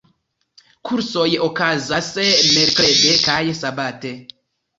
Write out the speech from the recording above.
Kursoj okazas merkrede kaj sabate.